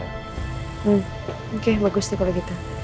oke bagus deh kalau gitu